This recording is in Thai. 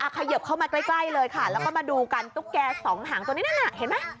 เขยิบเข้ามาใกล้เลยค่ะแล้วก็มาดูกันตุ๊กแกสองหางตัวนี้นั่นน่ะเห็นไหม